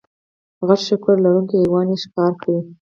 غټ ښکر لرونکی حیوان یې ښکار کړ.